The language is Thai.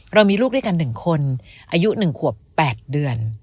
เรามีลูกด้วยกัน๑คนอายุ๑ขวบ๘เดือน